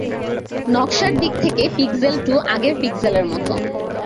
নকশার দিক থেকে পিক্সেল টু আগের পিক্সেলের মতো।